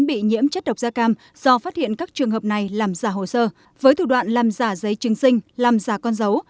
bị nhiễm chất độc da cam do phát hiện các trường hợp này làm giả hồ sơ với thủ đoạn làm giả giấy chứng sinh làm giả con dấu